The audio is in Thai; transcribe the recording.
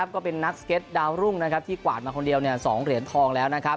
ก็เป็นนักสเก็ตดาวรุ่งที่กวาดมาคนเดียว๒เหรียญทองแล้วนะครับ